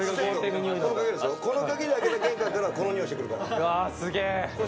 この鍵で開けた玄関からはこの匂いしてくるから。